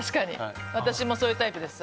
私もそういうタイプです。